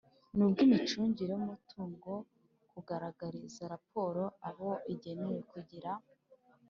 n'ubw'imicungire y'umutungo, kugaragariza raporo abo igenewe, kugira